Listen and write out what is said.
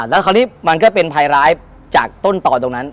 แล้วคราวนี้มันก็เป็นภัยร้ายจากต้นต่อตรงนั้น